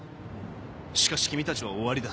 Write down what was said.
しかし君たちは終わりだ。